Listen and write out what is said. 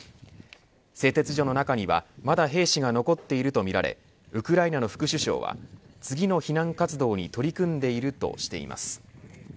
製鉄所の中にはまだ兵士が残っているとみられウクライナの副首相は次の避難活動に取り組んでいるとしています。